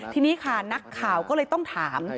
ทีนี้ค่ะนักข่าวก็เลยต้องถาม